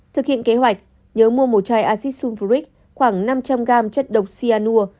thực hiện kế hoạch nhớ mua một chai acid sulfuric khoảng năm trăm linh g chất độc cyanur